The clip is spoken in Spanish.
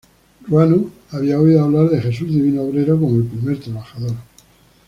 Ruano había oído hablar de Jesús Divino Obrero como el primer trabajador.